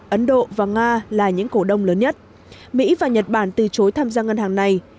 ấn độ và nga là những cổ đông lớn nhất mỹ và nhật bản từ chối tham gia ngân hàng này